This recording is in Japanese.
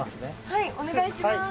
はいお願いします。